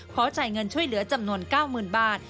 ขอจ่ายเงินช่วยเหลือจำนวน๙๐๐๐บาท